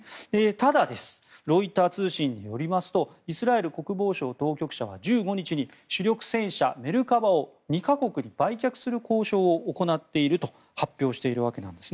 ただ、ロイター通信によりますとイスラエル国防省当局者は１５日に主力戦車メルカバを２か国に売却する交渉を行っていると発表しています。